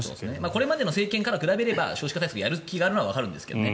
これまでの政権に比べれば少子化対策をする気があるのはわかるんですけどね。